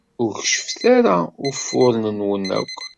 Ur d-keccfet ara ufuren-nwen akk.